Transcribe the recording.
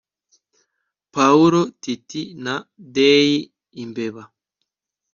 pawulo tit na dai imbeba